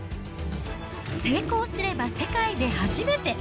成功すれば世界で初めて。